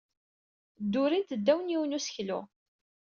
Ddurint ddaw n yiwen n useklu.